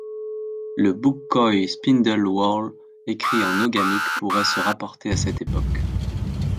Le Buckquoy spindle-whorl écrit en oghamique pourrait se rapporter à cette époque.